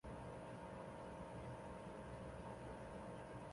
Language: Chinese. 这也是历史上第一个空手道的现代流派。